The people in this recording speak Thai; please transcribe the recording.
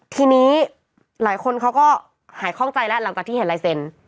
ทีนี้หลายคนเขาก็หายคล่องใจแล้วหลังจากที่เห็นลายเซ็นต์